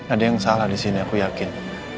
ada yang salah disini aku yakin